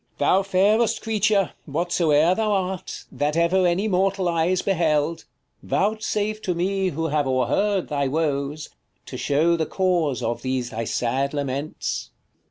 50 King. Thou fairest creature, whatsoe'er thou art, That ever any mortal eyes beheld, Vouchsafe to me, who have o'erheard thy woes, To shew the cause of these thy sad laments.